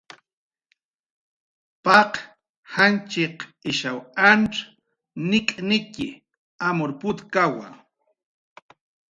Paq janchiq ishaw antz nik'nitxi, amur putkawa